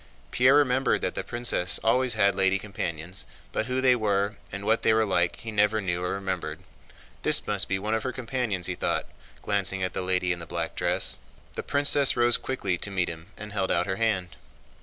Pierre remembered that the princess always had lady companions, but who they were and what they were like he never knew or remembered. "This must be one of her companions," he thought, glancing at the lady in the black dress. The princess rose quickly to meet him and held out her hand.